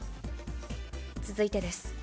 続いてです。